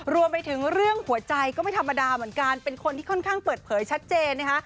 รวมไปถึงเรื่องหัวใจก็ไม่ธรรมดาเหมือนกันเป็นคนที่ค่อนข้างเปิดเผยชัดเจนนะคะ